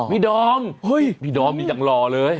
พี่ดอมโลรยังหล่อเลย